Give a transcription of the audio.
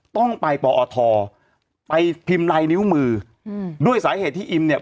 ต้องไปปอทไปพิมพ์ลายนิ้วมืออืมด้วยสาเหตุที่อิมเนี่ย